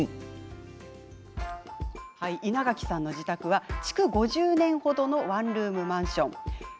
稲垣さんの自宅は、築５０年程のワンルームマンションです。